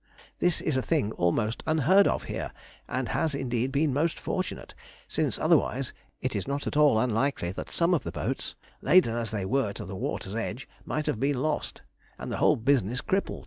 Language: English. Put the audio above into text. This is a thing almost unheard of here, and has indeed been most fortunate, since otherwise it is not at all unlikely that some of the boats, laden as they were to the water's edge, might have been lost, and the whole business crippled.